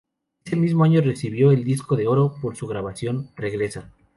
Ese mismo año recibe el "Disco de Oro" por su grabación ""Regresa"".